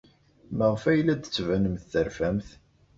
Maɣef ay la d-tettbanemt terfamt?